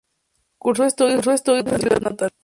Cursó estudios en su ciudad natal.